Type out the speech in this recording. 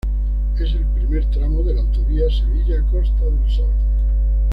Es el primer tramo de la Autovía Sevilla-Costa del Sol.